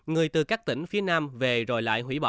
người từ các tỉnh phía nam về rồi lại hủy bỏ